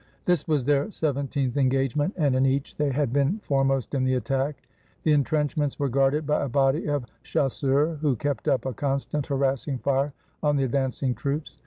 This was their seventeenth engagement, and in each they had been foremost in the attack. The intrenchments were guarded by a body of chas seurs, who kept up a constant harassing fire on the ad vancing troops.